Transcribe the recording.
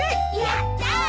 やったー！